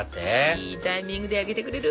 いいタイミングで焼けてくれる！